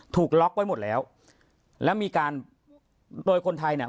ถูกล็อกไว้หมดแล้วแล้วมีการโดยคนไทยเนี่ย